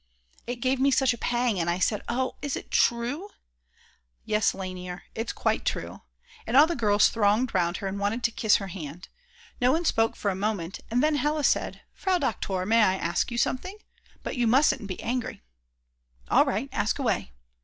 It gave me such a pang, and I said: "Oh, is it true?" "Yes, Lainer, it's quite true." And all the girls thronged round her and wanted to kiss her hand. No one spoke for a moment, and then Hella said: "Frau Doktor, may I ask you something? But you mustn't be angry!" "All right, ask away!"